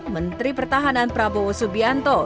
menteri pertahanan prabowo subianto